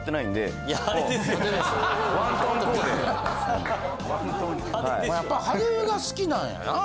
やっぱ派手が好きなんやな。